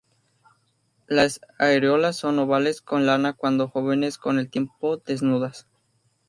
Las areolas son ovales, con lana cuando jóvenes, con el tiempo desnudas.